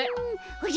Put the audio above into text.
おじゃ。